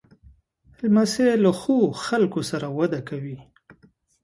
لمسی له ښو خلکو سره وده کوي.